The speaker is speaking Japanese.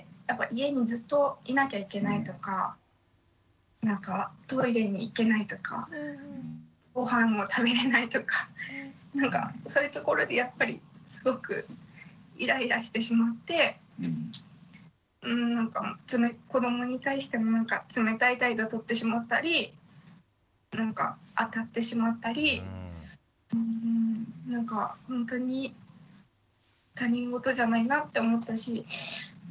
家にずっといなきゃいけないとかなんかトイレに行けないとかごはんも食べれないとかそういうところでやっぱりすごくイライラしてしまって子どもに対しても冷たい態度をとってしまったりあたってしまったりなんかほんとに他人事じゃないなって思ったし。